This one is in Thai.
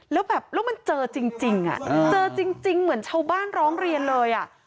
แล้วมันเจอจริงเหมือนชาวบ้านร้องเรียนเลย